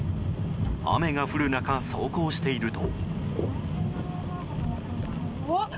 雨が降る中、走行していると。